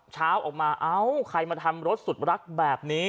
เช้าออกมาเอ้าใครมาทำรถสุดรักแบบนี้